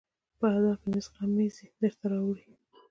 په ادا کې مې غمزې درته راوړي